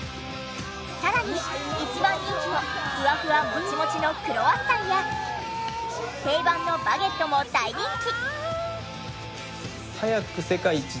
さらに一番人気のふわふわモチモチのクロワッサンや定番のバゲットも大人気！